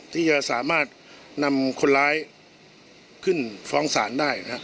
ที่จะสามารถนำคนร้ายขึ้นฟ้องศาลได้นะครับ